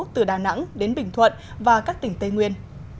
từ đà nẵng đến bình thuận và các tỉnh tây nguyên